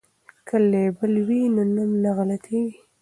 که لیبل وي نو نوم نه غلطیږي.